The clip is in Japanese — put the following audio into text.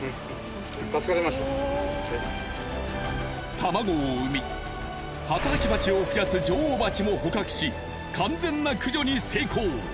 卵を産み働き蜂を増やす女王蜂も捕獲し完全な駆除に成功。